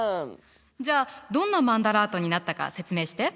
じゃあどんなマンダラートになったか説明して。